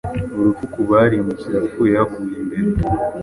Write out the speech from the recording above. Urupfu ku barimbutse yapfuye yaguye mbere